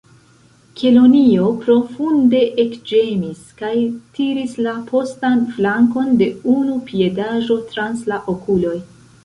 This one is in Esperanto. Kelonio profunde ekĝemis, kaj tiris la postan flankon de unu piedaĵo trans la okuloj.